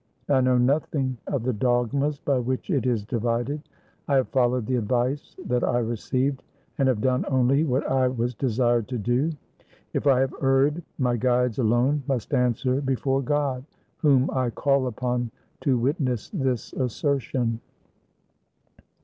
I know nothing of the dogmas by which it is divided; I have followed the advice that I received, and have done only what I was desired to do. If I have erred, my guides alone must answer before God, whom I call upon to witness this assertion."